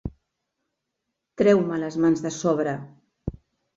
Treu-me les mans de sobre.